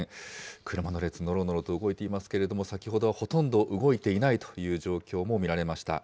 車の列、のろのろと動いていますけれども、先ほどほとんど動いていないという状況も見られました。